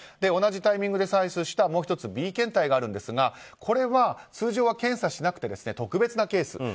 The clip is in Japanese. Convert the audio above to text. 同じタイミングで採取したもう１つ、Ｂ検体があるんですがこれは通常は検査しなくて特別なケース。